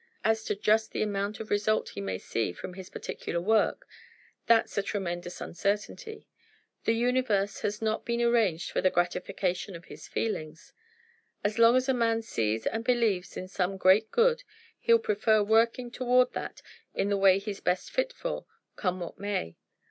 As to just the amount of result he may see from his particular work that's a tremendous uncertainty: the universe has not been arranged for the gratification of his feelings. As long as a man sees and believes in some great good, he'll prefer working toward that in the way he's best fit for, come what may.